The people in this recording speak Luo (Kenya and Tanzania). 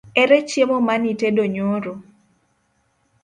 Ere chiemo manitedo nyoro?